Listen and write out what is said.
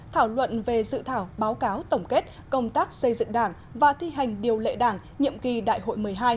thảo luận về dự thảo báo cáo tổng kết công tác xây dựng đảng và thi hành điều lệ đảng nhiệm kỳ đại hội một mươi hai